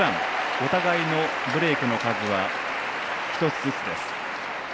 お互いのブレークの数は１つずつです。